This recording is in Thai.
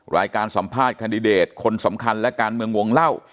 สัมภาษณ์แคนดิเดตคนสำคัญและการเมืองวงเล่า